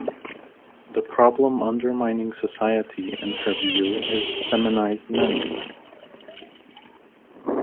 The problem undermining society in her view is feminized men.